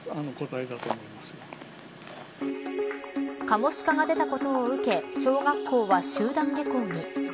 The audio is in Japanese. カモシカが出たことを受け小学校は集団下校に。